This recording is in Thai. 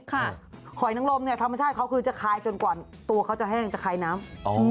หอยนังลมเนี่ยธรรมชาติเขาคือจะคลายจนกว่าตัวเขาจะแห้งจะคลายน้ำ